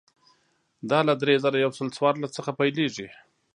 دا له درې زره یو سل څوارلس څخه پیلېږي.